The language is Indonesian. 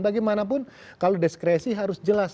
bagaimanapun kalau diskresi harus jelas